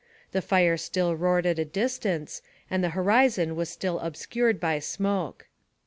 The fire still roared at a distance, and the horizon was still obscured by smoke.